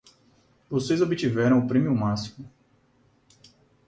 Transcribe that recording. Vocês obtiveram o prêmio máximo.